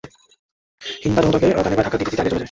হিন্দা জনতাকে ডানে-বামে ধাক্কা দিতে দিতে আগে চলে যায়।